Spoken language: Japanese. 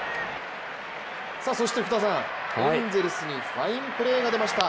そしてエンゼルスにファインプレーが出ました。